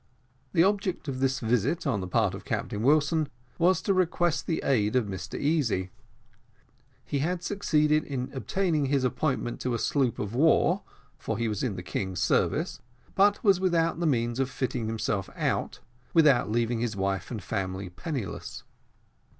The object of this visit on the part of Captain Wilson was to request the aid of Mr Easy. He had succeeded in obtaining his appointment to a sloop of war (for he was in the king's service), but was without the means of fitting himself out, without leaving his wife and family penniless.